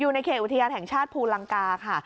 อยู่ในเขตอุทยานแห่งชาติภูลังกาค่ะ